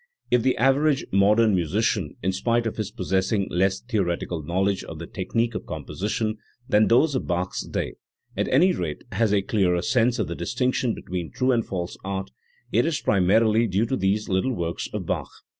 If the average modern musician, in spite of his possessing less theoretical knowledge of the technique of composition than those of Bach's day, at any rate has a clearer sense of the distinction between true and false art, it is primarily due to these little works of Bach.